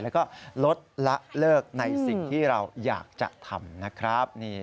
แล้วก็ลดละเลิกในสิ่งที่เราอยากจะทำนะครับ